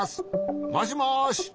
もしもし。